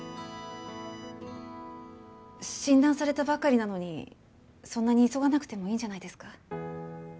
診断されたばかりなのにそんなに急がなくてもいいんじゃないですか？